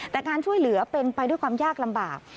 แต่การช่วยเหลือเป็นไปด้วยความยากลำบาก